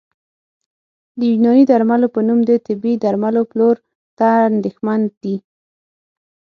د یوناني درملو په نوم د طبي درملو پلور ته اندېښمن دي